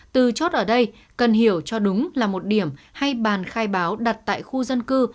từ chốt ở đây cần hiểu cho đúng là một điểm hay bàn khai báo đặt tại khu dân cư